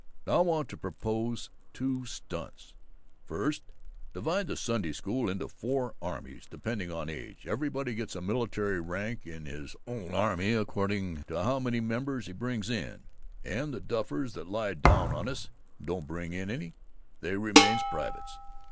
"Now, I want to propose two stunts: First, divide the Sunday School into four armies, depending on age. Everybody gets a military rank in his own army according to how many members he brings in, and the duffers that lie down on us and don't bring in any, they remain privates.